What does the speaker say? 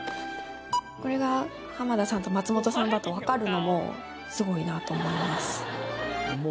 これが浜田さんと松本さんだと分かるのもすごいなと思います。